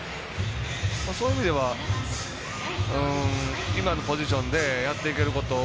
そういう意味では今のポジションでやっていけること。